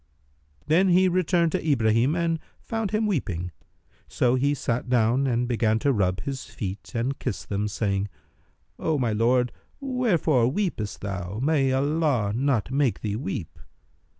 Then he returned to Ibrahim and found him weeping; so he sat down and began to rub[FN#309] his feet and kiss them, saying, "O my lord, wherefore weepest thou? May Allah not make thee weep!"